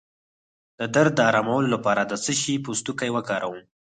د درد د ارامولو لپاره د څه شي پوستکی وکاروم؟